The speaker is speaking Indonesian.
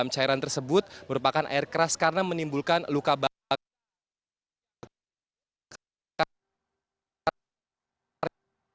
cairan tersebut merupakan air keras karena menimbulkan luka bakar